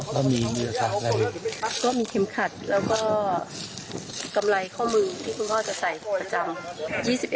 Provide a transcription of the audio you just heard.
ก็มีเข็มขัดแล้วก็กำไรข้อมือที่คุณพ่อจะใส่ประจำ